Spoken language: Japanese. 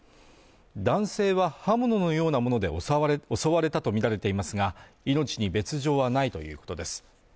男性は刃物のようなもので襲われたとみられていますが、命に別状はないということです。